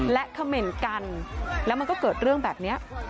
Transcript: และเขม่นกันแล้วมันก็เกิดเรื่องแบบนี้